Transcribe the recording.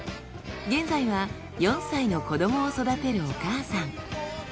現在は４歳の子供を育てるお母さん。